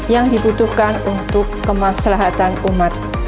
yang dibutuhkan untuk kemaslahatan umat